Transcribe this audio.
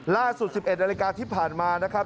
ล่าสุด๑๑นาฬิกาที่ผ่านมานะครับ